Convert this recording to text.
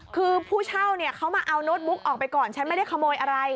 คือผู้เช่าเนี่ยเขามาเอาโน้ตบุ๊กออกไปก่อนฉันไม่ได้ขโมยอะไร